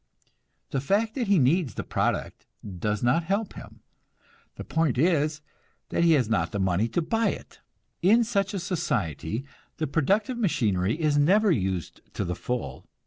The fact that he needs the product does not help him; the point is that he has not the money to buy it. In such a society the productive machinery is never used to the full.